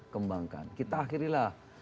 kembangkan kita akhirilah